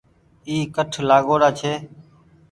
اي ڪٺ لآگآئو ڙآ ڇي ۔